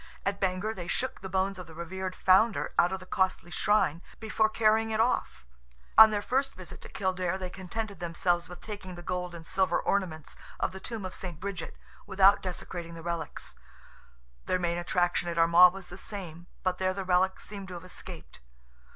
At Bangor they shook the bones of the revered founder out of the costly shrine before carrying it off; on their first visit to Kildare they contented themselves with taking the gold and silver ornaments of the tomb of St. Bridget, without desecrating the relics; their main attraction at Armagh was the same, but there the relics seemed to have escaped.